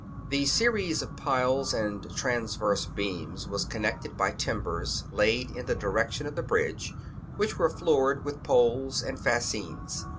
The series of piles and transverse beams was con nected by timbers laid in the direction of the bridge, which were floored with poles and fascines.